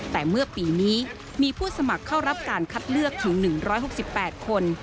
แต่เมื่อปีนี้มีผู้สมัครเข้ารับการคัดเลือกถึง๑๖๘คน